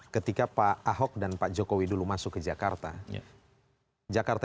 ketika pak ahok dan pak jokowi dulu masuk ke jakarta